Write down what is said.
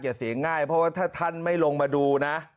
เสียงง่ายเพราะว่าถ้าท่านไม่ลงมาดูนะ